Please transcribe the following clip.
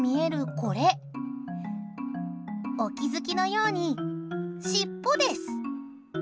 これお気づきのように、しっぽです。